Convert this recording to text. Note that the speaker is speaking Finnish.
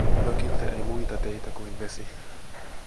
Mökiltä ei muita teitä kuin vesi.